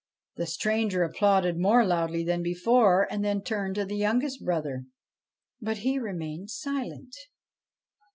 The stranger applauded more loudly than before, and then turned to the youngest brother ; but he remained silent.